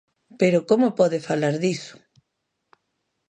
¡Pero como pode falar diso!